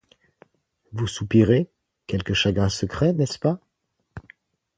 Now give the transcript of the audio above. Vous soupirez : quelques chagrins secrets, N’est-ce pas ?